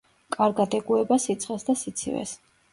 კარგად ეგუება სიცხეს და სიცივეს.